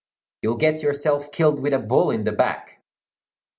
You'll get yourself killed with a ball in the back."